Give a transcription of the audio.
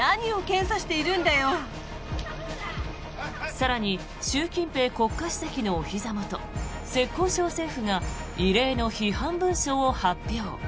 更に習近平国家主席のおひざ元浙江省政府が異例の批判文書を発表。